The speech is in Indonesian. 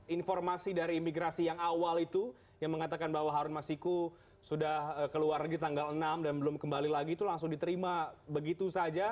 informasi dari imigrasi yang awal itu yang mengatakan bahwa harun masiku sudah keluar di tanggal enam dan belum kembali lagi itu langsung diterima begitu saja